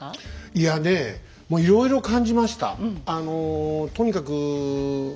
いやねえもういろいろ感じました。